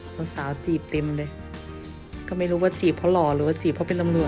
สาวสาวจีบเต็มเลยก็ไม่รู้ว่าจีบเพราะหล่อหรือว่าจีบเพราะเป็นตำรวจ